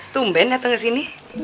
tumben datang ke sini